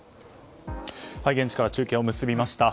現地から中継を結びました。